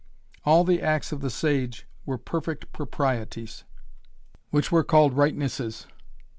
All the acts of the sage were "perfect proprieties," which were called "rightnesses."